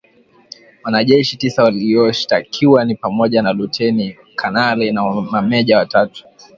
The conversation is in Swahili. Wanajeshi tisa walioshtakiwa ni pamoja na luteni, kanali na mameja watatu.